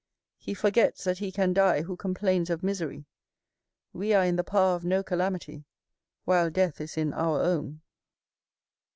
He forgets that he can die, who complains of misery: we are in the power of no calamity while death is in our own.